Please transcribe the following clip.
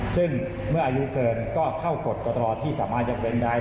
ซึ่งเมื่ออายุเกินก็เข้ากฎกตรที่สามารถยกเว้นได้